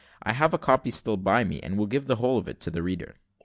I have a copy still by me, and will give the whole of it to the reader.